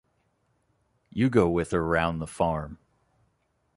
You go with her round the farm.